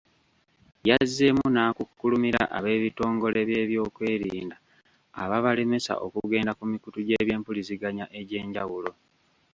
Yazzeemu n'akukkulumira ab’ebitongole by’ebyokwerinda ababalemesa okugenda ku mikutu gy’ebyempuliziganya egy’enjawulo.